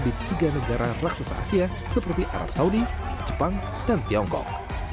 di tiga negara raksasa asia seperti arab saudi jepang dan tiongkok